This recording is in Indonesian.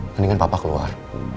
mendingan papa keluar